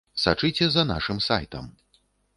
Сачыце за нашым сайтам.